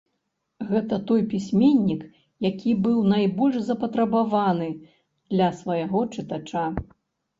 Гэта той пісьменнік, які быў найбольш запатрабаваны для свайго чытача.